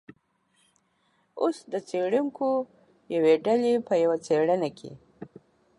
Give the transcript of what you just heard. اوس د څیړونکو یوې ډلې په یوه څیړنه کې